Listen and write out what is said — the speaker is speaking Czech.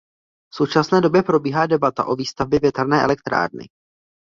V současné době probíhá debata o výstavbě větrné elektrárny.